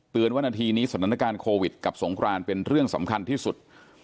ว่านาทีนี้สถานการณ์โควิดกับสงครานเป็นเรื่องสำคัญที่สุด